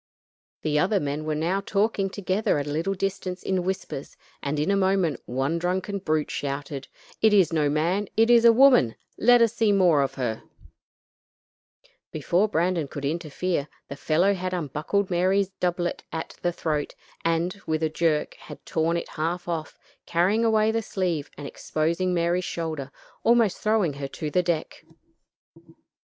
The other men were now talking together at a little distance in whispers, and in a moment one drunken brute shouted: "It is no man; it is a woman; let us see more of her." Before Brandon could interfere, the fellow had unbuckled Mary's doublet at the throat, and with a jerk, had torn it half off, carrying away the sleeve and exposing Mary's shoulder, almost throwing her to the deck.